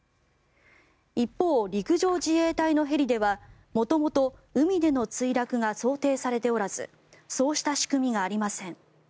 一方、陸上自衛隊のヘリでは元々、海での墜落が想定されておらずそうした仕組みがありません。